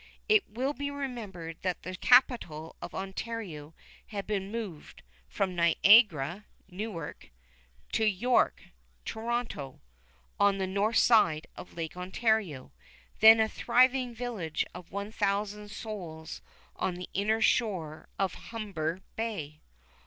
It will be remembered that the capital of Ontario had been moved from Niagara (Newark) to York (Toronto) on the north side of Lake Ontario, then a thriving village of one thousand souls on the inner shore of Humber Bay.